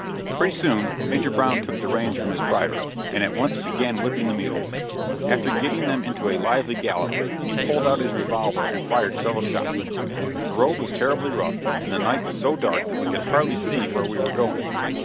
Pretty soon Major Brown took the reins from his driver, and at once began whipping the mules. After getting them into a lively gallop he pulled out his revolver and fired several shots. The road was terribly rough and the night was so dark that we could hardly see where we were going.